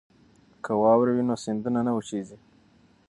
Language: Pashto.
که واوره وي نو سیندونه نه وچیږي.